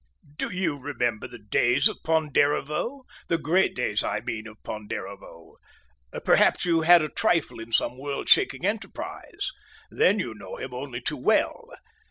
Do you remember the days of Ponderevo, the great days, I mean, of Ponderevo? Perhaps you had a trifle in some world shaking enterprise! Then you know him only too well.